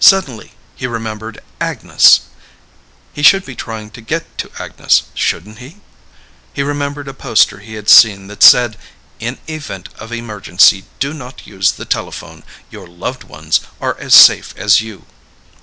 Suddenly, he remembered Agnes. He should be trying to get to Agnes, shouldn't he? He remembered a poster he had seen that said, "In event of emergency do not use the telephone, your loved ones are as safe as you."